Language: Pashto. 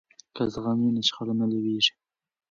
که زغم وي نو شخړه نه لویږي.